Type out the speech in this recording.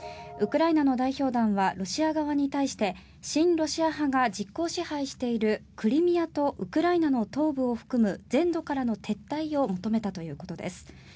ウクライナの代表団はロシア側に対して親ロシア派が実効支配しているクリミアとウクライナの東部を含む全土からの撤退を認めたということです。